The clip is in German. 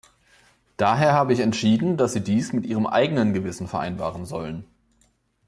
Daher habe ich entschieden, dass sie dies mit ihrem eigenen Gewissen vereinbaren sollen.